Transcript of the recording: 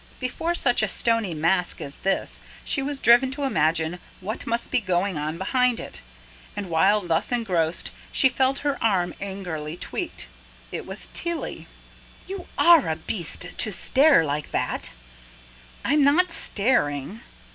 Before such a stony mask as this, she was driven to imagine what must be going on behind it; and, while thus engrossed, she felt her arm angrily tweaked. It was Tilly. "You ARE a beast to stare like that!" "I'm not staring."